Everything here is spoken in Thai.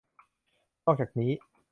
นอกจากนี้